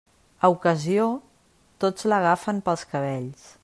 A Ocasió, tots l'agafen pels cabells.